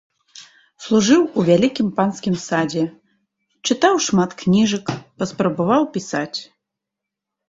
Служыў у вялікім панскім садзе, чытаў шмат кніжак, паспрабаваў пісаць.